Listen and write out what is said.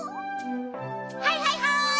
はいはいはい！